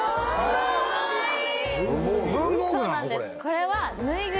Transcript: ・かわいい！